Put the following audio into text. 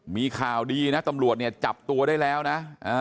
มีข่าวดีนะตำรวจเนี่ยจับตัวได้แล้วนะ